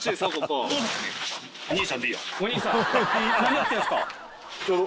お兄さん！